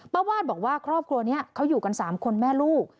วาดบอกว่าครอบครัวนี้เขาอยู่กัน๓คนแม่ลูก